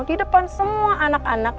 di depan semua anak anak